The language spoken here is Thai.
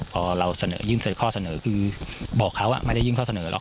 พอเราเสนอยื่นเสร็จข้อเสนอคือบอกเขาไม่ได้ยื่นข้อเสนอหรอก